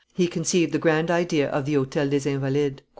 He conceived the grand idea of the Hotel des Invalides.